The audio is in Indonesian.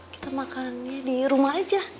kita makannya di rumah aja